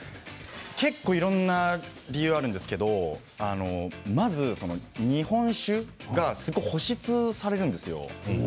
結構いろいろな理由があるんですけれどもまず日本酒が保湿されるんですよ。